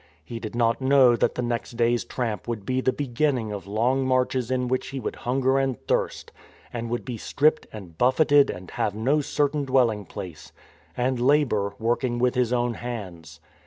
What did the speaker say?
He did not know that the next day's tramp would be the beginning of long marches in which he would hunger and thirst; and would be stripped and buffeted and have no certain dwelling place; and labour, working with his own hands.